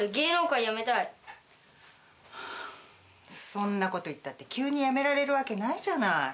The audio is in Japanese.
そんなこと言ったって急に辞められるわけないじゃない。